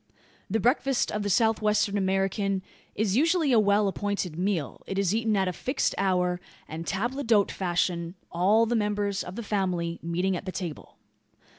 The breakfast of the South western American is usually a well appointed meal. It is eaten at a fixed hour, and table d'hote fashion all the members of the family meeting at the table.